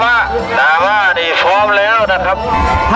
อาทิตย์ก็พร้อมนาว่านาว่านี่พร้อมแล้วนะครับ